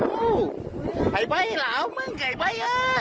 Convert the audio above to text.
ไข่ไบ้เหรอไข่ไบ้